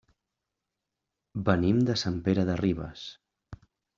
Venim de Sant Pere de Ribes.